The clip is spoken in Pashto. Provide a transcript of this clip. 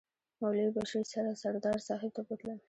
مولوي بشیر زه سردار صاحب ته بوتلم.